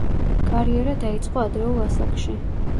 კარიერა დაიწყო ადრეულ ასაკში.